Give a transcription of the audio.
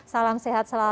salam sehat semua